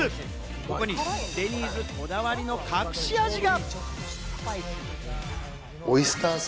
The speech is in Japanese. ここにデニーズのこだわりの隠し味が！